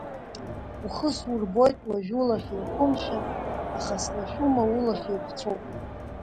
Ухы сурбоит уажәы улахь еиқәымшәа, аха слашәума улахь еиқәцәоуп.